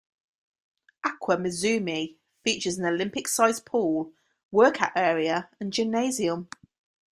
Aqua Misumi features an Olympic-sized pool, workout area and gymnasium.